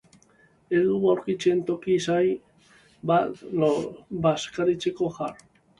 Ez dugu aurkitzen toki xahu bat non bazkariteko jar.